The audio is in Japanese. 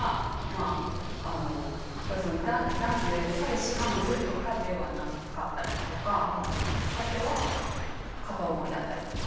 あの彼氏彼女とかではなかったりとかあとは片思いだったりとか。